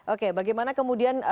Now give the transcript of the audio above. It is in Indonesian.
oke bagaimana kemudian